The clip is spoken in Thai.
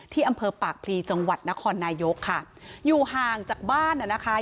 อำเภอปากพลีจังหวัดนครนายกค่ะอยู่ห่างจากบ้านน่ะนะคะ